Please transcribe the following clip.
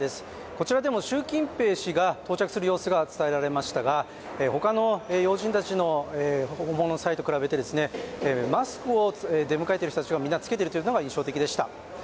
こちらでも習近平氏が到着する様子が伝えられましたが他の要人の訪問の際と比べてマスクを、出迎えている人がみんな着けているのが印象的でした。